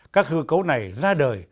các hư cấu này ra đời